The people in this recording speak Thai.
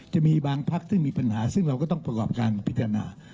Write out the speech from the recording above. จะมีบางพักที่มีปัญหาซึ่งเราก็ต้องประกอบการพิจารณา